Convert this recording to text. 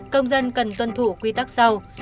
công dân cần tuân thủ quy tắc sau